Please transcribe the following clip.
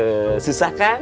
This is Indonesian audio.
eh susah kang